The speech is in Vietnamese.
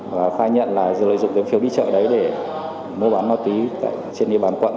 và khai nhận là lợi dụng phiếu đi chợ đấy để mô bán ma túy trên địa bàn quận